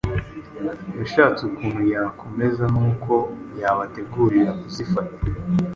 yashatse ukuntu yabakomeza n’uko yabategurira kuzifata